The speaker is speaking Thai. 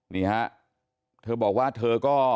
นี่ฮะเธอบอกว่าเธอก็